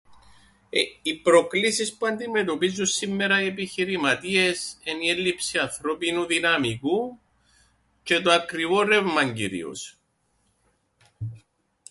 Ε, οι προκλήσεις που αντιμετωπίζουν σήμμερα οι επιχειρηματίες εν' η έλλειψη ανθρώπινου δυναμικού τζ̆αι το ακριβόν ρεύμαν κυρίως.